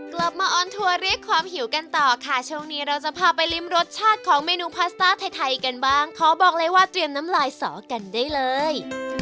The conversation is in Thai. ออนทัวร์เรียกความหิวกันต่อค่ะช่วงนี้เราจะพาไปริมรสชาติของเมนูพาสต้าไทยกันบ้างขอบอกเลยว่าเตรียมน้ำลายสอกันได้เลย